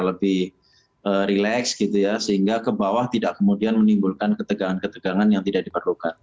lebih rileks gitu ya sehingga ke bawah tidak kemudian menimbulkan ketegangan ketegangan yang tidak diperlukan